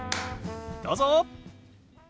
どうぞ！